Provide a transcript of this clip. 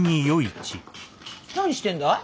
何してんだい？